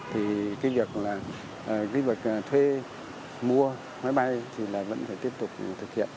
thì cái việc thuê mua máy bay thì là vẫn phải tiếp tục thực hiện